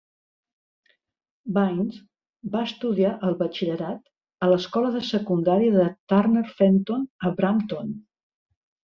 Bains va estudiar el batxillerat a l'Escola de Secundària de Turner Fenton a Brampton.